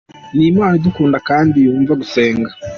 Ni Imana idukunda kandi yumva gusenga.